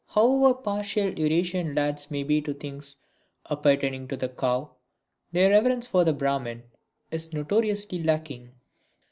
However partial Eurasian lads may be to things appertaining to the Cow, their reverence for the Brahmin is notoriously lacking.